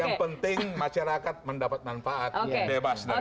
yang penting masyarakat mendapat manfaat bebas dari banjir